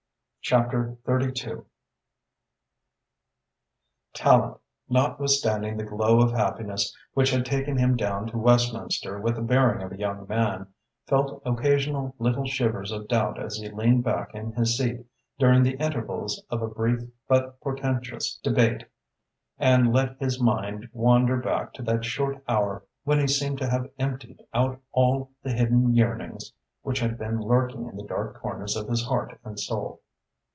CHAPTER XVIII Tallente, notwithstanding the glow of happiness which had taken him down to Westminster with the bearing of a young man, felt occasional little shivers of doubt as he leaned back in his seat during the intervals of a brief but portentous debate and let his mind wander back to that short hour when he seemed to have emptied out all the hidden yearnings which had been lurking in the dark corners of his heart and soul.